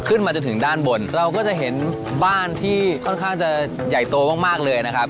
ขึ้นมาจนถึงด้านบนเราก็จะเห็นบ้านที่ค่อนข้างจะใหญ่โตมากมากเลยนะครับ